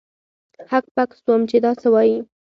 هک پک سوم چې دا څه وايي.